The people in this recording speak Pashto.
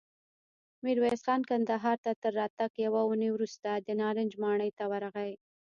ميرويس خان کندهار ته تر راتګ يوه اوونۍ وروسته د نارنج ماڼۍ ته ورغی.